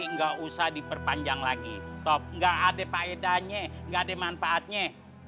nggak usah diperpanjang lagi stop nggak ada pakedanya nggak ada manfaatnya